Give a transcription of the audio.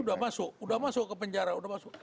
sudah masuk sudah masuk ke penjara